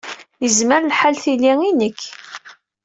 Yezmer lḥal tili i nekk.